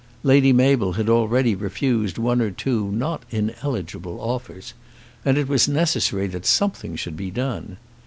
Lady Mabel had already refused one or two not ineligible offers, and it was necessary that something should be done.